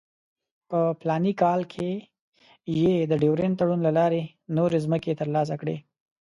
په فلاني کال کې یې د ډیورنډ تړون له لارې نورې مځکې ترلاسه کړې.